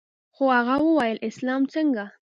خو هغه وويل اسلام څنگه.